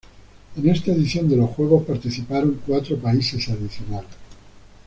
En esta edición de los juegos participaron cuatro países adicionales.